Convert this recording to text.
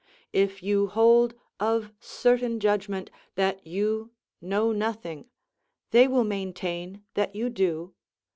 If you hold, of certain judgment, that you know nothing, they will maintain that you do.